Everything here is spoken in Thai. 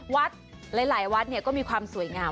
วัดหลายวัดเนี่ยก็มีความสวยงาม